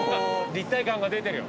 立体感が出てるよ。